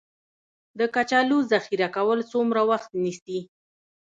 د کچالو ذخیره کول څومره وخت نیسي؟